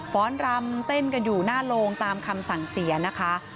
้อนรำเต้นกันอยู่หน้าโรงตามคำสั่งเสียนะคะ